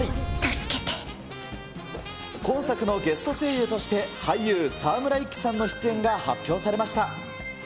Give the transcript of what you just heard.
今作のゲスト声優として、俳優、沢村一樹さんの出演が発表されました。